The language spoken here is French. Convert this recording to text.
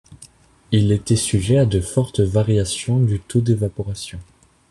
Il était sujet à de fortes variations du taux d'évaporation.